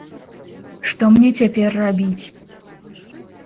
Што мне цяпер рабіць?